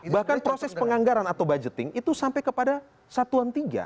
bahkan proses penganggaran atau budgeting itu sampai kepada satuan tiga